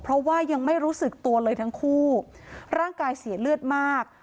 เพราะว่ายังไม่รู้สึกตัวเลยทั้งคู่ร่างกายเสียเลือดมาก